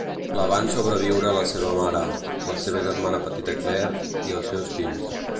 La van sobreviure la seva mare, la seva germana petita Claire i els seus fills.